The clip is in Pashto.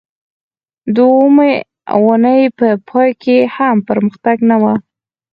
د اوومې اونۍ په پای کې هم پرمختګ نه و